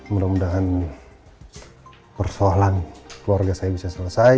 mudah mudahan persoalan keluarga saya bisa selesai